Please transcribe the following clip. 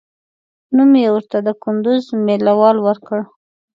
نوم مې ورته د کندوز مېله وال ورکړ.